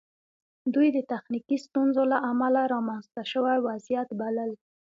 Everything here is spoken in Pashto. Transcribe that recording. دوی د تخنیکي ستونزو له امله رامنځته شوی وضعیت بلل